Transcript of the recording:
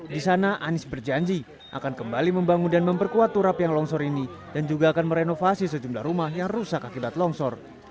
di sana anies berjanji akan kembali membangun dan memperkuat turap yang longsor ini dan juga akan merenovasi sejumlah rumah yang rusak akibat longsor